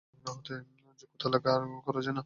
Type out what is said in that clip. ঝগড়া করে তো যোগ্যতা লাভ করা যায় না।